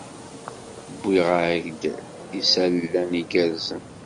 Wwiɣ-ak-d isalan igerrzen.